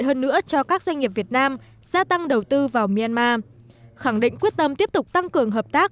hơn nữa cho các doanh nghiệp việt nam gia tăng đầu tư vào myanmar khẳng định quyết tâm tiếp tục tăng cường hợp tác